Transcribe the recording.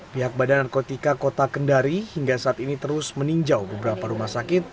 pihak badan narkotika kota kendari hingga saat ini terus meninjau beberapa rumah sakit